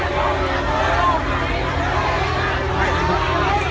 ก็ไม่มีเวลาให้กลับมาเท่าไหร่